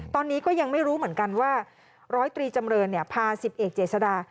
ตอนนี้ก็ยังไม่รู้เหมือนกันว่าร้อยตรีจำเรินพาสิบเอกเจษดา